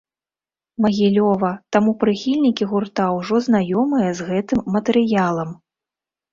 Магілёва, таму прыхільнікі гурта ўжо знаёмыя з гэтым матэрыялам.